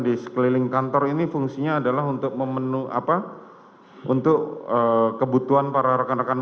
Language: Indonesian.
di sekeliling kantor ini fungsinya adalah untuk memenuhi apa untuk kebutuhan para rekan rekan